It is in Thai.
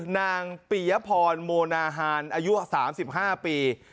นางปรียพรโมนาหารอายุสามสิบห้าปี